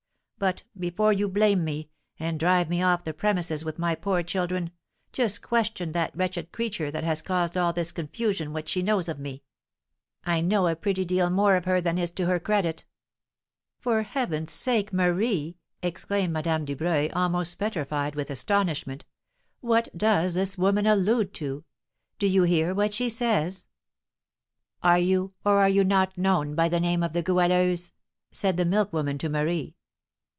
But, before you blame me, and drive me off the premises with my poor children, just question that wretched creature that has caused all this confusion what she knows of me. I know a pretty deal more of her than is to her credit!" "For Heaven's sake, Marie," exclaimed Madame Dubreuil, almost petrified with astonishment, "What does this woman allude to? Do you hear what she says?" "Are you, or are you not known by the name of the Goualeuse?" said the milk woman to Marie.